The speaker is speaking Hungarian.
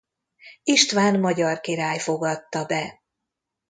István magyar király fogadta be.